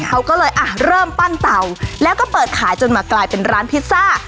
เขาก็เลยอ่ะเริ่มปั้นเตาแล้วก็เปิดขายจนมากลายเป็นร้านพิซซ่า